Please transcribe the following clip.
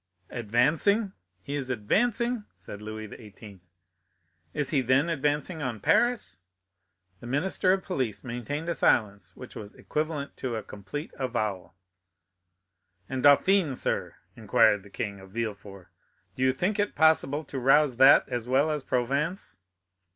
"Advancing—he is advancing!" said Louis XVIII. "Is he then advancing on Paris?" The minister of police maintained a silence which was equivalent to a complete avowal. "And Dauphiné, sir?" inquired the king, of Villefort. "Do you think it possible to rouse that as well as Provence?"